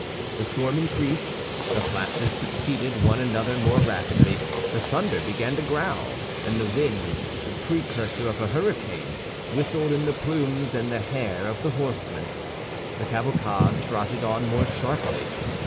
The storm increased, the flashes succeeded one another more rapidly, the thunder began to growl, and the wind, the precursor of a hurricane, whistled in the plumes and the hair of the horsemen. The cavalcade trotted on more sharply.